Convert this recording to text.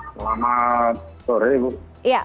selamat sore ibu